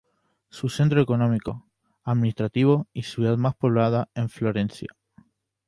Su centro económico, administrativo y ciudad más poblada es Florencia.